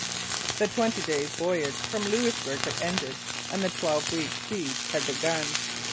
The twenty days' voyage from Louisbourg had ended and the twelve weeks' siege had begun.